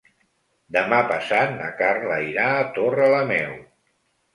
Demà passat na Carla irà a Torrelameu.